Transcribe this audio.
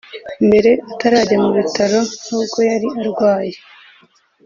Mbere atarajya mu bitaro n’ubwo yari arwaye